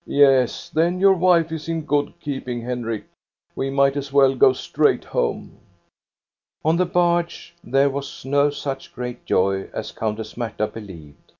" Yes, then your wife is in good keeping, Henrik. We might as well go straight home." On the barge there was no such great joy as THE IRON FROM EKEBY 285 i Countess Marta believed.